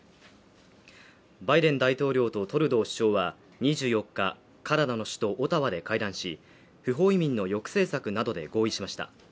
バイデン大統領とトルドー首相は２４日カナダの首都オタワで会談し、不法移民の抑制策などで合意しました。